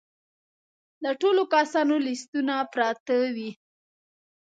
د ټولو کسانو لیستونه پراته وي.